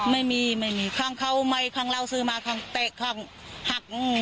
ไม่มีไม่มีของเขาไม่ของเราซื้อมาของเตะของหักอืม